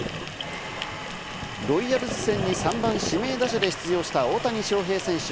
ロイヤルズ戦に３番・指名打者で出場した大谷翔平選手。